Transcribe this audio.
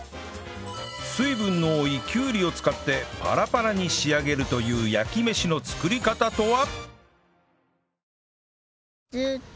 水分の多いきゅうりを使ってパラパラに仕上げるという焼き飯の作り方とは？